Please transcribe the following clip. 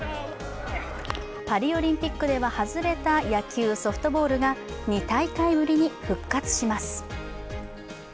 パリオリンピックでは外れた野球・ソフトボールが２大会ぶりに復活します。